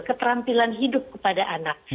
keterampilan hidup kepada anak